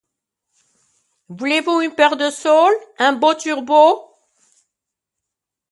Voulez-vous une paire de soles, un beau turbot ?